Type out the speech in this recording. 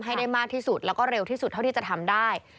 ให้ได้มากที่สุดแล้วก็เร็วที่สุดเท่าที่จะทำได้